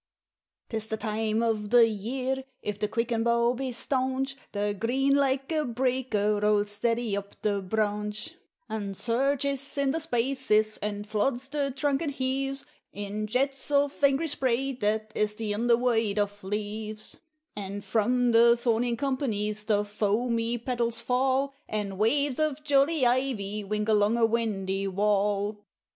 'Tis the time o' the year, if the quicken bough be staunch, The green, like a breaker, rolls steady up the branch, And surges in the spaces, and floods the trunk, and heaves In jets of angry spray that is the under white of leaves; And from the thorn in companies the foamy petals fall, And waves of jolly ivy wink along a windy wall.